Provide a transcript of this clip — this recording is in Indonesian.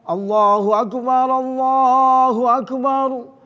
allahu akbar allahu akbar